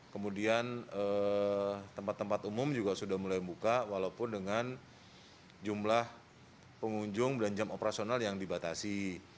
kemudian tempat tempat umum juga sudah mulai buka walaupun dengan jumlah pengunjung dan jam operasional yang dibatasi